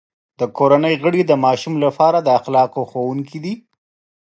د کورنۍ غړي د ماشوم لپاره د اخلاقو ښوونکي دي.